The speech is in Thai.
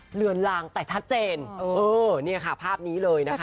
เหลือนลางแต่ชัดเจนเออเนี่ยค่ะภาพนี้เลยนะคะ